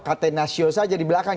katanasio saja di belakang